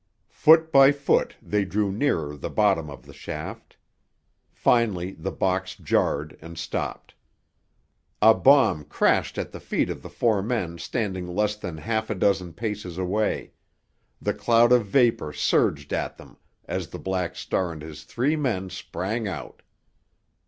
Foot by foot they drew nearer the bottom of the shaft. Finally the box jarred and stopped. A bomb crashed at the feet of the four men standing less than half a dozen paces away; the cloud of vapor surged at them as the Black Star and his three men sprang out.